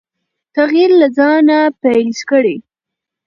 تغیر له ځانه پیل کړئ.